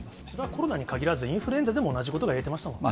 コロナに限らず、インフルエンザでも同じことがいえてましたもんね。